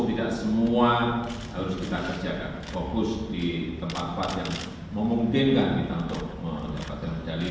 tidak semua harus kita kerjakan fokus di tempat tempat yang memungkinkan kita untuk mendapatkan medali